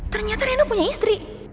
ternyata reno punya istri